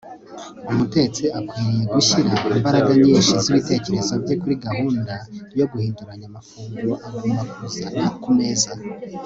umutetsi akwiriye gushyira imbaraga nyinshi z'ibitekerezo bye kuri gahunda yo guhinduranya amafunguro agomba kuzana ku meza